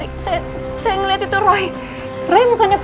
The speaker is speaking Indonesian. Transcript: cint memiliki turai minimum hanya foto